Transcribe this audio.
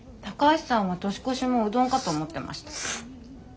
高橋さんは年越しもうどんかと思ってました。